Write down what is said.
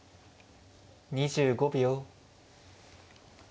２５秒。